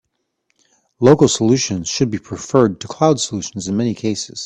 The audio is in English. Local solutions should be preferred to cloud solutions in many cases.